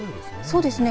そうですね。